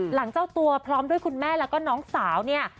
เจ้าตัวพร้อมด้วยคุณแม่แล้วก็น้องสาวเนี่ย